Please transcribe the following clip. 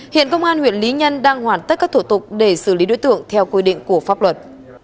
hiện công an huyện lý nhân đang hoàn tất các thủ tục để xử lý đối tượng theo quy định của pháp luật